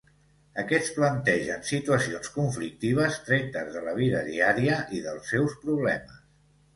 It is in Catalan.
Aquests plantegen situacions conflictives tretes de la vida diària i dels seus problemes.